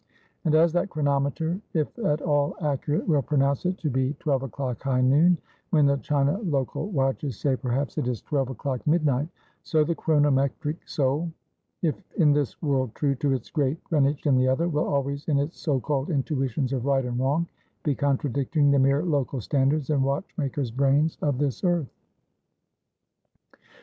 And, as that chronometer, if at all accurate, will pronounce it to be 12 o'clock high noon, when the China local watches say, perhaps, it is 12 o'clock midnight; so the chronometric soul, if in this world true to its great Greenwich in the other, will always, in its so called intuitions of right and wrong, be contradicting the mere local standards and watch maker's brains of this earth.